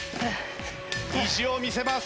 意地を見せます。